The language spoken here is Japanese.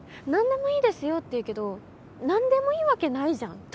「何でもいいですよ」って言うけど何でもいいわけないじゃん。